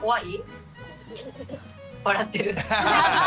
笑ってる。